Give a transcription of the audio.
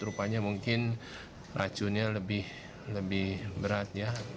rupanya mungkin racunnya lebih berat ya